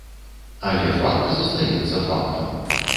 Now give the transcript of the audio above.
Але факт застаецца фактам.